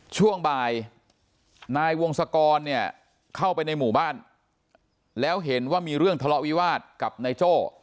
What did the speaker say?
ช่วงบ่ายนายวงศกรเนี่ยเข้าไปในหมู่บ้านแล้วเห็นว่ามีเรื่องทะเลาะวิวาสกับนายโจ้